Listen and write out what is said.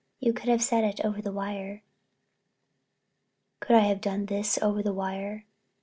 "You could have said it over the wire." "Could I have done this over the wire?"